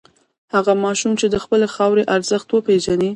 هغه ماشوم چې د خپلې خاورې ارزښت وپېژني.